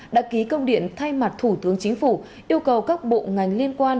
đã ký công điện thay mặt thủ tướng chính phủ yêu cầu các bộ ngành liên quan